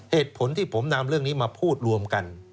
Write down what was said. เหตุผลที่ผมนำเรื่องนี้มาพูดรวมกัน